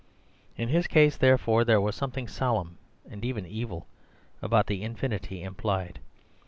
In his case, therefore, there was something solemn, and even evil about the infinity implied.